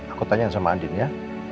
aku tanya sama andin ya